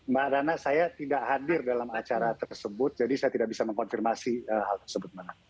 mbak rana saya tidak hadir dalam acara tersebut jadi saya tidak bisa mengkonfirmasi hal tersebut